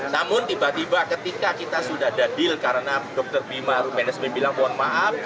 namun tiba tiba ketika kita sudah ada deal karena dokter bima rumenesmin bilang mohon maaf